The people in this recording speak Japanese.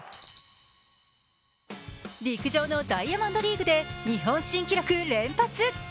陸上のダイヤモンドリーグで日本新記録連発！